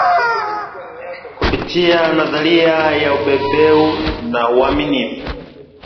Kupitia nadharia ya ubabeume na uamilifu